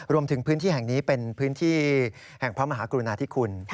รวมถึงพื้นที่แห่งนี้เป็นพื้นที่แห่งพระมหากรุณาธิคุณ